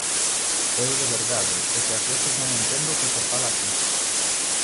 Eu de verdade é que ás veces non entendo o que se fala aquí.